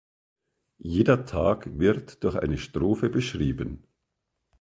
Jeder Tag wird durch eine Strophe beschrieben.